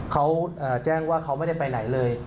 เขาแจ้งว่าเขาไม่ได้ไปไหนเลย